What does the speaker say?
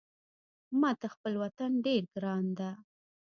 ماته خپل وطن ډېر ګران ده